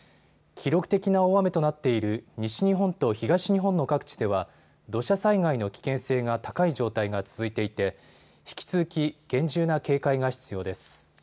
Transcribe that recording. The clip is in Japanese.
記録的な大雨となっている西日本と東日本の各地では土砂災害の危険性が高い状態が続いていて引き続き厳重な警戒が必要です。